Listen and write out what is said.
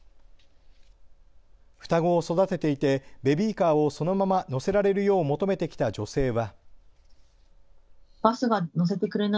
双子を育てていてベビーカーをそのまま乗せられるよう求めてきた女性は。